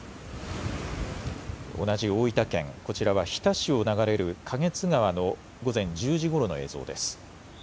同じ大分県、こちらは日田市を流れる花月川の午前１０時ごろの映像です。